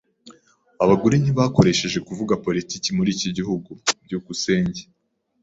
Abagore ntibakoresheje kuvuga politiki muri iki gihugu. byukusenge